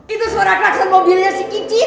itu suara klakson mobilnya si kinci